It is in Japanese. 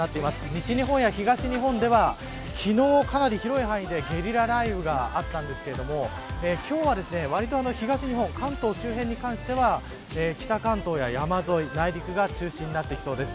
西日本や東日本では昨日広い範囲でゲリラ雷雨があったのですが今日はわりと東日本などの関東周辺は北関東や山沿い、内陸が中心になってきそうです。